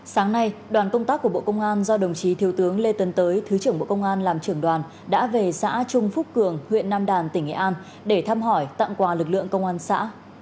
sáng nay đoàn công tác của bộ công an do đồng chí thiếu tướng lê tấn tới thứ trưởng bộ công an làm trưởng đoàn đã về xã trung phúc cường huyện nam đàn tỉnh nghệ an để thăm hỏi tặng quà lực lượng công an xã